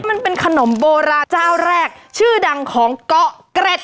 มันเป็นขนมโบราณเจ้าแรกชื่อดังของเกาะเกร็ด